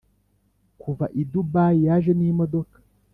kuva i dubayi yaje nimodoka